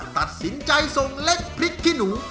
ตัดสินใจส่งเล็กพริกขี้หนู